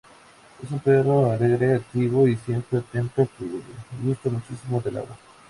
Es un perro alegre, activo y siempre atento, que gusta muchísimo del agua.